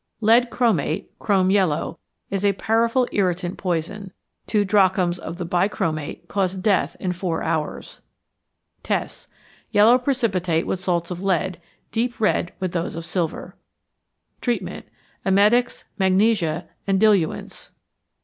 Lead chromate (chrome yellow) is a powerful irritant poison. Two drachms of the bichromate caused death in four hours. Tests. Yellow precipitate with salts of lead, deep red with those of silver. Treatment. Emetics, magnesia, and diluents.